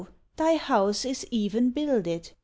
thy house is even builded!"